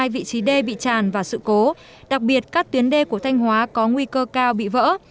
hai trăm năm mươi hai vị trí đê bị tràn và sự cố đặc biệt các tuyến đê của thanh hóa có nguy cơ cao bị vỡ